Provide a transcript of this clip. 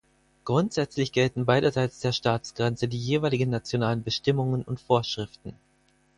Grundsätzlich gelten beiderseits der Staatsgrenze die jeweiligen nationalen Bestimmungen und Vorschriften.